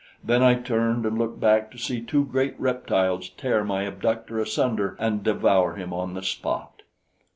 Then I turned and looked back to see two great reptiles tear my abductor asunder and devour him on the spot.